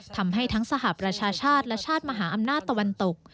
ทำให้ทั้งสหประชาชาติและชาติมหาอำนาจตะวันตก